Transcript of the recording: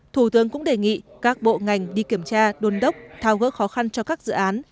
thủ tướng cũng đề nghị các bộ ngành đi kiểm tra đôn đốc tháo gỡ khó khăn cho các dự án